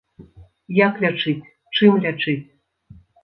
Як лячыць, чым лячыць?